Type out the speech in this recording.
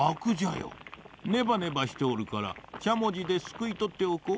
ねばねばしておるからしゃもじですくいとっておこう。